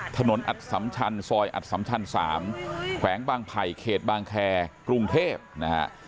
ถนนอัดสำชันซอยอัดสำชัน๓แขวงบางไผ่เขตบางแคร์กรุงเทพนะฮะ